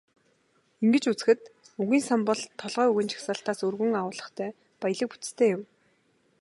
Ингэж үзэхэд, үгийн сан бол толгой үгийн жагсаалтаас өргөн агуулгатай, баялаг бүтэцтэй юм.